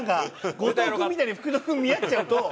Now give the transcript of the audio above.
後藤君みたいに福徳君と見合っちゃうと。